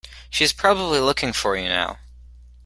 She's probably looking for you now.